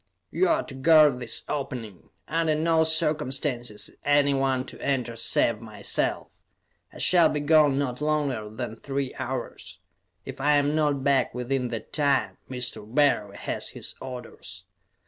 "You are to guard this opening. Under no circumstances is anyone to enter save myself. I shall be gone not longer than three hours; if I am not back within that time, Mr. Barry has his orders.